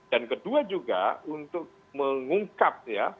dan kedua juga untuk mengungkap ya